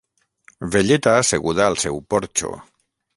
Velleta asseguda al seu porxo